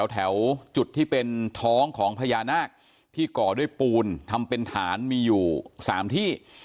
แถวจุดที่เป็นท้องของพญานาคที่ก่อด้วยปูนทำเป็นฐานมีอยู่๓ที่